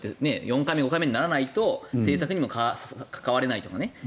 ４回目、５回目にならないと政策にも関われないとかね。